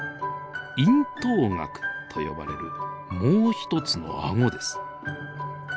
咽頭顎と呼ばれるもう一つの顎です。